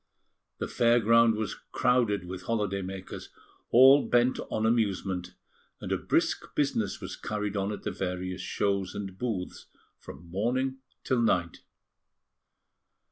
The fair ground was crowded with holiday makers, all bent on amusement, and a brisk business was carried on at the various shows and booths from morning till night.